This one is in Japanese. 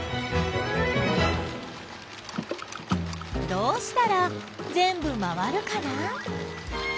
どうしたらぜんぶ回るかな？